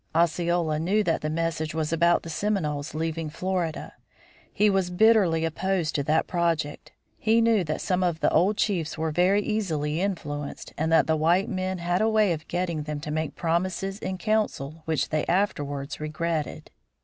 Osceola knew that the message was about the Seminoles' leaving Florida. He was bitterly opposed to that project. He knew that some of the old chiefs were very easily influenced, and that the white men had a way of getting them to make promises in council which they afterwards regretted.